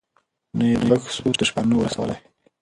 نه یې ږغ سوای تر شپانه ور رسولای